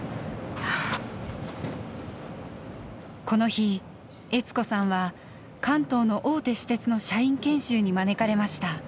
この日悦子さんは関東の大手私鉄の社員研修に招かれました。